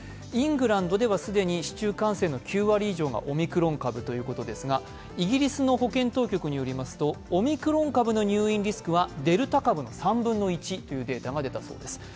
イングランドでは既に市中感染の９割がオミクロン株ということですがイギリスの保健当局によりますとオミクロン株の入院リスクはデルタ株の３分の１というデータが出たそうです。